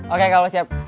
oke kalau siap